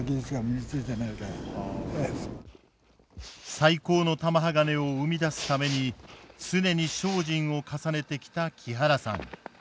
最高の玉鋼を生み出すために常に精進を重ねてきた木原さん。